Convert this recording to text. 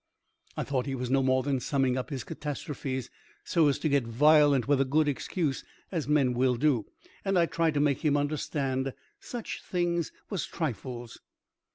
I thought he was no more than summing up his catastrophes so as to get violent with good excuse, as men will do, and I tried to make him understand such things was trifles.